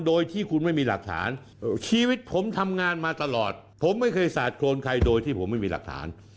โดยที่คุณไม่มีหลักฐานชีวิตผมทำงานมาตลอดผมไม่เคยสาดโครนใครโดยที่ผมไม่มีหลักฐาน